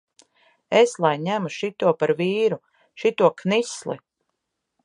Es lai ņemu šito par vīru, šito knisli!